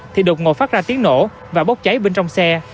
thì đột ngột phát ra tiếng nổ và bốc cháy bên trong xe